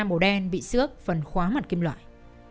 màu đen bị xước phần khóa mặt kim loại